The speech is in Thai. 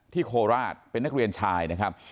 โคราชเป็นนักเรียนชายนะครับ